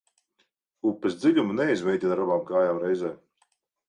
Upes dziļumu neizmēģina ar abām kājām reizē.